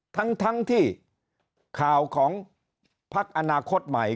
ทั้งที่ข่าวของพักอนาคตใหม่